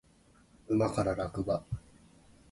馬から落馬